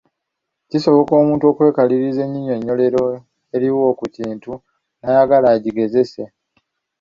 Kisoboka omuntu okwekaliriza ennyinnyonnyolero eriwo ku kintu n’ayagala agigezese.